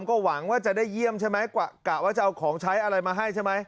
ก็หวังว่าจะได้เยี่ยมใช่ไหมกะว่าจะเอาของใช้อะไรมาให้ใช่ไหม